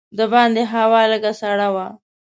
د باندې هوا لږه سړه وه.